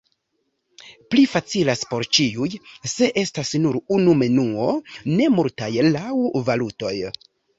Pli facilas por ĉiuj, se estas nur unu menuo, ne multaj laŭ valutoj.